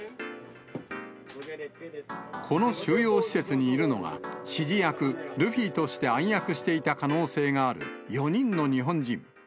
この収容施設にいるのは、指示役、ルフィとして暗躍していた可能性がある４人の日本人。